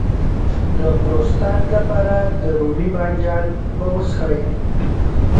د پروستات لپاره د رومي بانجان اوبه وڅښئ